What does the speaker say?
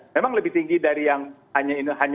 memang lebih tinggi dari yang hanya